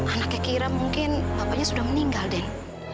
anaknya kira mungkin bapaknya sudah meninggal den